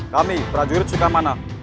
kami prajurit sukamata